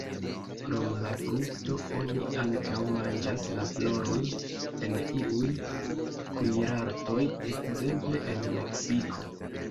Krom la frukto, oni ankaŭ manĝas la floron en iuj kuirartoj, ekzemple en Meksiko.